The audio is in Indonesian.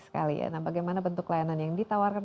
sekali bagaimana bentuk layanan yang ditawarkan